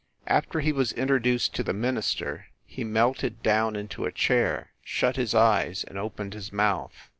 After he was introduced to the minister he melted down into a chair, shut his eyes and opened his mouth.